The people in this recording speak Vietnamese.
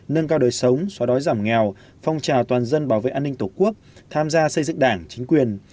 nâng cao đời sống xóa đói giảm nghèo phong trào toàn dân bảo vệ an ninh tổ quốc tham gia xây dựng đảng chính quyền